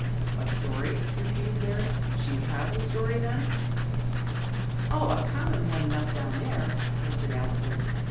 "A story," repeated Mary; "she has a stoiy then ?"" Oh ! a common one enough down there," answered Alison.